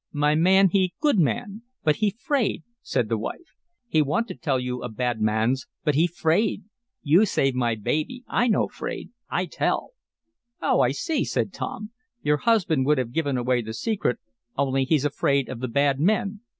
"My man he good man but he 'fraid," said the wife. "He want to tell you of bad mans, but he 'fraid. You save my baby, I no 'fraid. I tell." "Oh, I see," said Tom. "Your husband would have given away the secret, only he's afraid of the bad men.